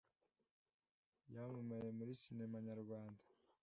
yamamaye muri sinema nyarwanda